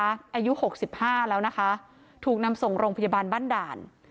อายุหกสิบห้าแล้วนะคะถูกนำส่งโรงพยาบาลบ้านด่าน